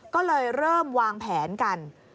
ก็เลยเริ่มวางแผนกัน